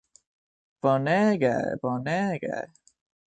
Bonege... bonege...